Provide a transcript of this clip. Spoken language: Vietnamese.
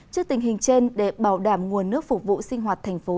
trước tình hình trên để bảo đảm nguồn nước phục vụ sinh hoạt thành phố